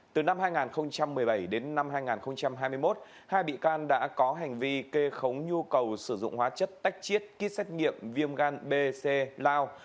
từ năm hai nghìn một mươi bảy đến năm hai nghìn hai mươi một hai bị can đã có hành vi kê khống nhu cầu sử dụng hóa chất tách chiết kýt xét nghiệm viêm gan b cloud